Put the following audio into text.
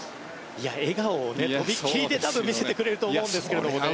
笑顔を飛び切り見せてくれると思うんですけどね。